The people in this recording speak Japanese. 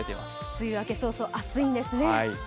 梅雨明け早々暑いんですね。